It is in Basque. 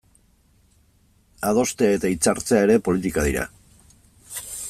Adostea eta hitzartzea ere politika dira.